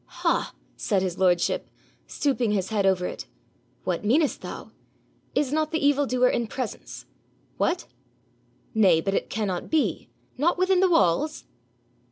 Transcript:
'Ha!' said his lordship, stooping his head over it, 'what meanest thou? Is not the evil doer in presence? What? Nay, but it cannot be? Not within the walls?